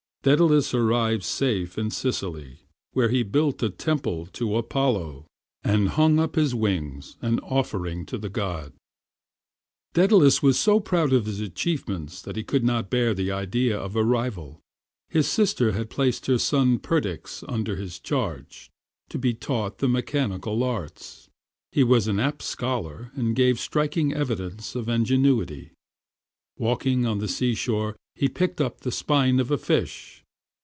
Daedalus arrived safe in Sicily, where he built a temple to Apollo, and hung up his wings, an offering to the god. Daedalus was so proud of his achievements that he could not bear the idea of a rival. His sister had placed her son Perdix under his charge to be taught the mechanical arts. He was an apt scholar and gave striking evidences of ingenuity. Walking on the seashore he picked up the spine of a fish.